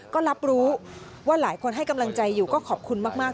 ก็รับรู้ว่าหลายคนให้กำลังใจอยู่ก็ขอบคุณมาก